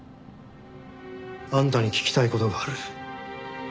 あんたに聞きたい事がある。